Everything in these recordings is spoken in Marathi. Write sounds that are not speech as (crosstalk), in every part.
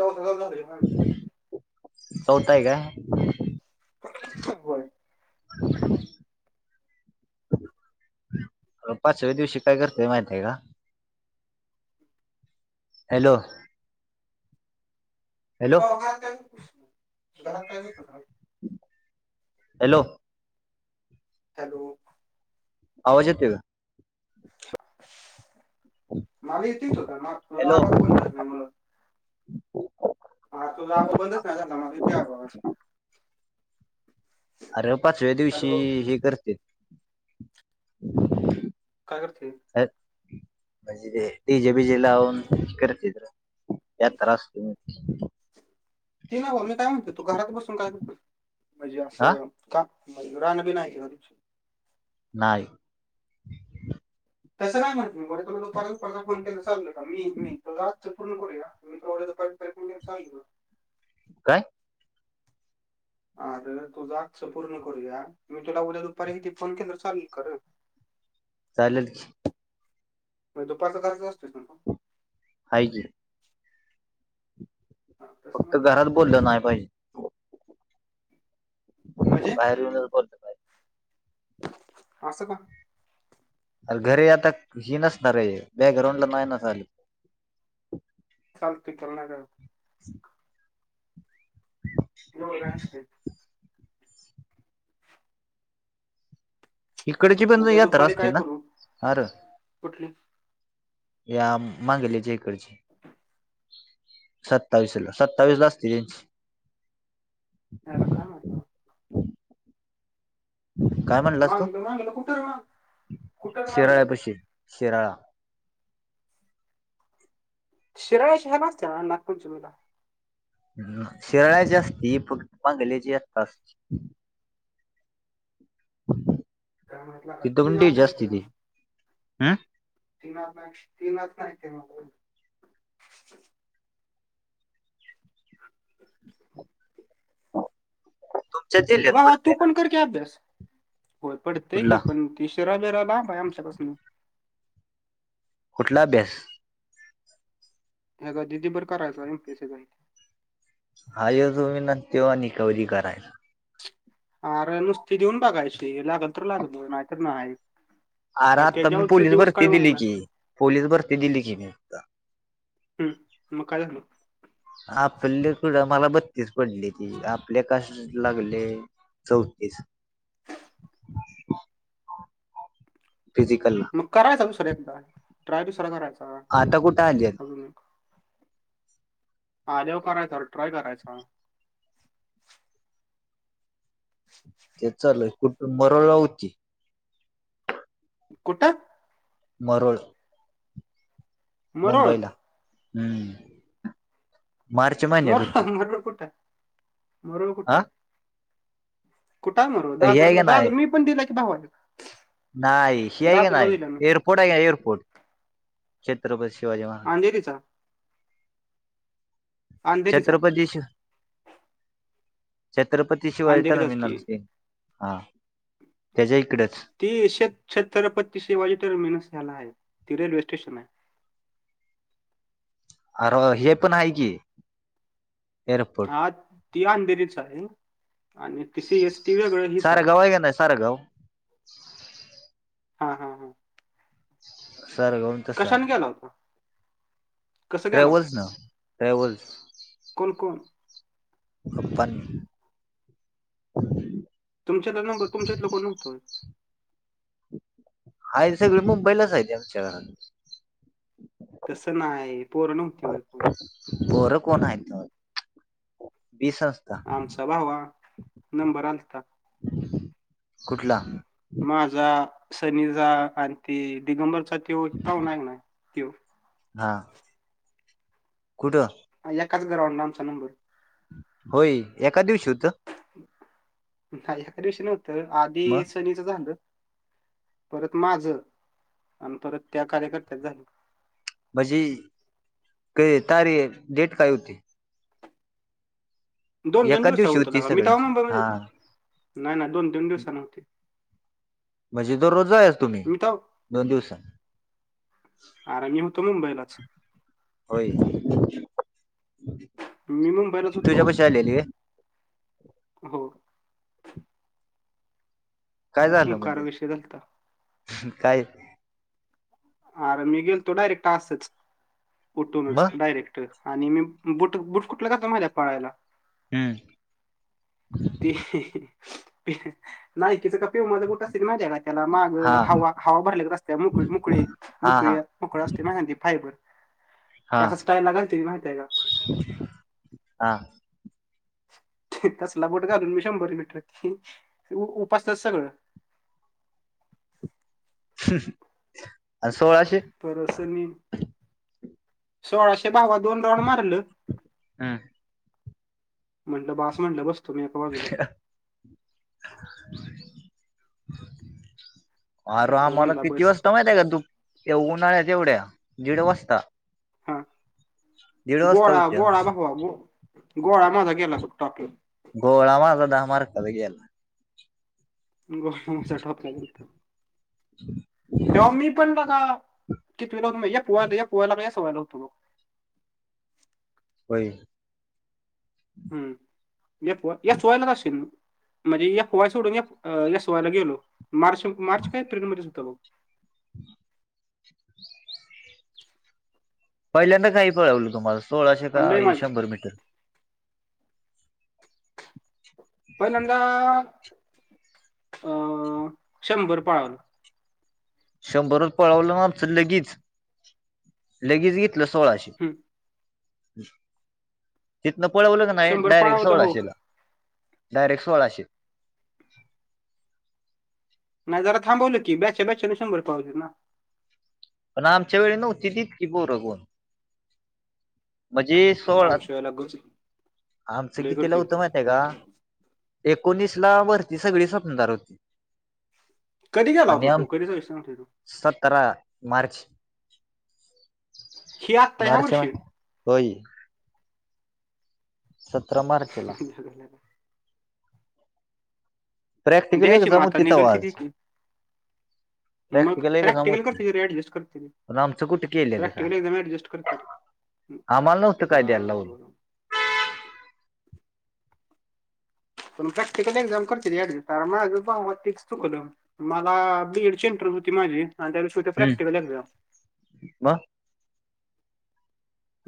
चौस हजार झा होौताय का ब पाचव्या दिवशी काय करततेय माहितय आहे का हॅलो हॅलो ब घ हॅलो हॅलो आवाजेते मला इथेच होत म त हॅलो आवाज कोणता अस नाही मुला हा तो जाग बंदच नाही झा माझ त्या बस अरे पाचव्या दिवशी हॅलो हे करते काय करते अ म्हणजे ते डी जे बीजे लावून करत या त्रास तु्ही ती नाही ब मी काय म्हणतेो तो घरात बसून काय करतो म्हणजे हा असं का भ रान बी नाही क कर नाहीय तसं नाही म्हणत मी ब तला तो पर परत फोन केला चाल का मी मी त पूर्ण करूया मी ांगलो काय अर तुझा अक्ष पूर्ण करूया मी तुला उद्या दुपारी हिथती फोन केलं चालेल कर चालेल की म तु पाचचा कच असतेस ना का हा जे हा, तसं फक्त नाही घरात बोललं नाही पाहिजे म्हणजे बाहेर येऊन पत अस सं का. अर घरी आता हि नसणार आहे बॅकग्राऊंड ला नाही नसली चालत चालणार हो रा असते इकडची पण पद्या यात्रा दुपारी असते काय ना करू अरे कुठली या मागेल्याच्या इकडची सत्तावीसला सत्तावीस ला असते त्यांची ह लोखा नात काय म्हणलास तु‌ मागलं मागलं कुठं रे माग कुठं रे मागलं शिराळ्यापशी शिराळा शिराळे शहर नाचते नागपूर जुलला ह शिराळ्याची असती फक्त बांगल्याची असस् अस काय म्हटलं का? तीन तिथपन आज डेज नाही आसतय केलं ते हम्. तीन तीनच नाही ते (inaudible) तुमच्या जिल्ह्यात बा पडतय तू ना पण करते अभ्यास होय पडत की कुठला पण तिशरा बिराला भया आमच्याकस नाही कुठला अभ्यास ह्याचा दिदीर करायचं आणि पैसे जा हा ये तुम्ही ना तेव्हा रिकवी करायच अरे नुसती देऊन बघायची लागल तर लागत नाहीत नाही अर काय आता मी त्याच्यावरचा पोलीस दिवस काय भरती दिली म्हणणार की पोलीस भरती दिली की मी आ हम्म मग काय झालं? आपले कड मला बत्तीस पडली ती आपल्या कास लागले चौतीस. फिजिकला. मग करायचा दुसऱ्या एकदा ट्राय दुसरा करायचा आता एक कुठे आली अजून एक. आल्यावर करायचा ट्राय करायचा. तेच चालय कुठं मरोळा उची. कुठं? मरोळ. मरोळ मुंबईला हम्म. मार्च महिन्यात मर होती मरोळ कुठाय, मरोळ हा कुठाय? कुठाय मरोळ हे आहे दादरला का नाही दादर मी पण दिलाय की भावाला. नाही हि आहे का दादरला नाही दिला ना एअरपोर्ट आहे का एअरपोर्ट छत्रपती शिवाजी महा अंजेरीचा. अंधेरीचा छत्रपती शि छत्रपती शिवाजी अंधेरीचाच तरमीनार की ते. हा तेज्या इकडचं. ती शेत छत्रपती शिवाजी तरमेनस्याला आहे ती रेल्वे स्टेशनाय. अरं हे पण आहे की हेर हा ती अंधेरीच आहे. आणि ति सी एस टी वेगळं हीच आहे. सारगाव का नाही सारगाव हा हा ह. सरगवून कशाने गेला होता? कसं गेला होता ट्रॅव्हल्स नं ट्रॅव्हल्स. कोण कोण? पप्पा अन मी. तुमच्याल नंबर तुमच्यातल कोण नव्हतं होय? हाय सगळी मुंबईलाच आहे आमच्या घरातली. तसं नाही पोर नव्हती वय कोण? पोरं कोण हाईत वीस नसता. आमचा भावा नंबर आलता. कुठला? माझा सनीचा आणि ते दिगंबरचा तो पाहुना हाय का नाय त्यो. हा. कुठं? यकाच ग्राउंडनं आमचा नंबर. होय एका दिवशी होतं? नाही एका दिवशी नव्हतं आधी मग सनी चं झाल परत माझं अन परत त्या कार्यकर्त्याचं झालं. म्हझी कय ता रे डेट काय होती? दोन दोन एकाच दिवसाव दिवशी होतं होती लगा मी तवा सगळ्यांची मुंबई मधी हा नाही नाही दोन दोन दिवसानं होती. म्हजे दररोज जायाच तुम्ही मी तेव्हा दोन दिवसानं? आरं मी होतो मुंबईलाच. होय मी मुंबईलाच होतो तुझ्यापशी आलेली होय? हो. काय झालं खूप म्हणजे विषय झालता काय? आर मी गेलतो डायरेक्ट आसचं मग उठूनचं डायरे क्ट आणि मी बुट बुट कूटलं घाटलेलो म्हायताय पळायला? हम्म. ते (unintelligible) नायकीच का पिव मा गुट असतेी माझ्या का त्याला माग हा हवा हवा भरले रस्ते मुकळी मुकळी हा हा मोकळ असते माहि फायबर क हा असा स्टाई लागय माहितीय का. हा तसला बोट घालून मी शंभर मीटर उपासतात सगळं आणि सोळाशे परसनी‌. सोळाशे भावादोडवण मारलं हम्म म्हटलं बास म्हटलं बसतो मी एका बाजूला (inaudible) अर तेव्हा आम्हाला म्हटला किती बस वाजता माहित आहे का तू उन्हाळ्यात तेवढ्या दिड वाजता. हा दीड वाजता गोळा गोळा उठत्यात बघवा ग गोळा माझा गेला बघतो आपलं गोळा मला दहा मार्क कावे घेला गसा ठॉप लागत तेव्हा मी पण बगा कीतवीला होतो माहित हाय एफ वाय काय यस वाय ला होतो. फाइव हम्म या या चोयला असश म्हणजे या एफ वाय सोडून यस वाय‌ गेलो मार्च मार्च काय एप्रिलमध्ये होत बघ. पहिल्यांदा काही पळवलं तुम्हाला सोळाशे पण लय काय माझं शंभर मीटर. पण नंदा अ शंभर पळावलं शंभरच पळवलं आमचं लगेच लगेच घेतलं सोळाशे हम्म. तिथनं पळवलं क नाही शंभर डायरेक्ट पाळावलं हो सोळाशेला. डायरेक्ट सोळाशे. नाही जरा थांबवलं की ब्याच्या बचं शंभर पावज ना. पण आमच्या वेळी नव्हती तितकी बोघून म्हणजे सोळा आमच्या गर्दी आमचं लय कितीला गर्दी होती उतमत आहे का. एकोणीस ला वरती सगळी स्वपनदार होती कधी घ्याला आणि होत तो आम कधीचा विषय तो सतरा मार्च ही आत्ता ह्या मार्च म वर्षी होय सतरा मार्चला प्रॅक्टिकली एक द्यायची मग जम आता तिथं निघल ती वाज ती प्रॅक्ट मग प्रॅक्टिकल करते रे, ऍडजस्ट करते रे. केम चकुट केलेले का प्रॅक्टिकल एकदम ऍडजस्ट करते रे. आम्हाला नव्हतं हा काय द्याय लावल. बरोबर प प्रॅक्टिकल एक्झाम करते कारण मग तेस तू कलम मला बीएड ची इंटरेस्ट होती माझी आणि त्याविष प्रॅक्टिकल एक जा म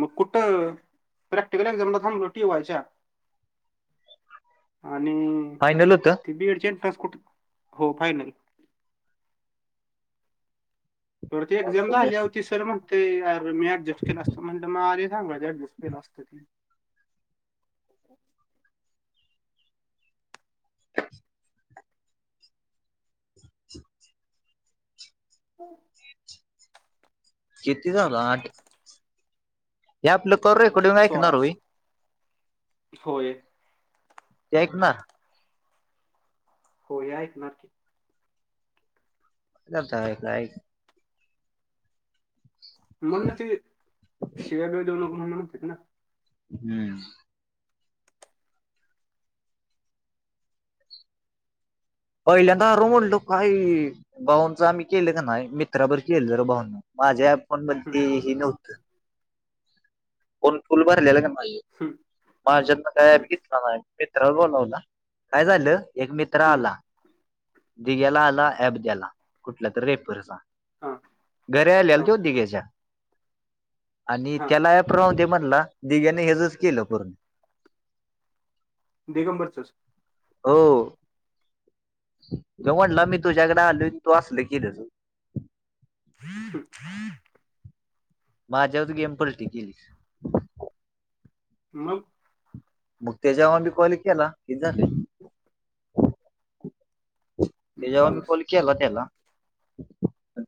मग कुठं प्रॅक्टिकलक् जमला थब रोटी व्हायच्या आणि फायनल होतं ते बीएड एंट कुठ हो फायनल ती एक्झाम झाली होती सर म्हणते अर मी ऍडजस्ट केला असतो म्हटलं मग अे सांगला ऍडजस्ट केला असतो होरी. हो. छतीस आठ हे आपलं करूयकड आठ, सोळा ऐकणारय. होय तेऐक ना. हो ऐकणारकीी ता एक. मग ना ते शेव्या बीव्या देऊ नको म्हणत होतात ना ते. हम्म. पहिल्यांदार म्हणलं काही बाहंच आम्ही केलं का नाही मित्राबर केलं र बाहंना. माझ्या फोन हम्म, मही हम्म, नव्हतं. कोण फुल भरलेलं नाही हम्म, म ज्यांना काय हम्म, घेतला नाही. मित्रवर बोलावला काय झालं एक मित्र हम्म, आला. दिघ्याला आला ऍप द्याला कुठला तररी रेफरचा. हा घर हा आलेलती तो दिग्याच्या आणि हा त्याला अप रा दे म्हणला दिग्याने हेचच केलं पूर्ण. दिगंबरचंच. हो. (unintelligible) ज म्हटलं मी तुझ्यागड आलो तू असल कि. हम्म हम्म. माझ्यावरती गेम पलट गेली मग. मग त्याच्यावर बी कॉल केला कि झाल. ते जेव्हा मी बावीस कॉल केला त्याला.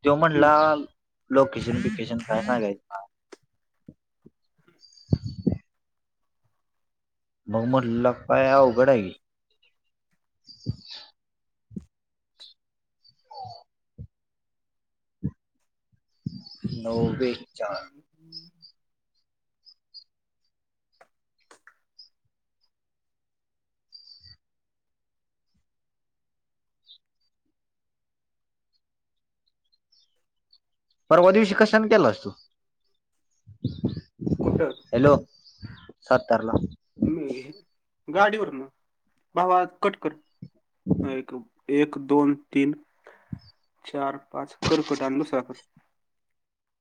तो म्हणला हम्म. लोकेशन विकेशन काय सांगायचं. मग म्हनल लका काय अवघड हाय की. नव्वेे चार. परवा दिवशी कशान केलास तु. कुटं. हॅलो सतारला. म गाडीवर ना भावा कटकर एक. एक दोन तीन चार पाच कर्कट आणि लुसाका.